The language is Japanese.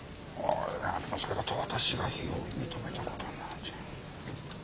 でもそれだと私が非を認めた事になるんじゃ。